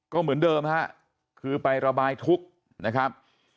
ก็เหมือนเดิมฮะคือไประบายทุกข์นะครับ